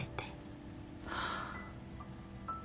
はあ。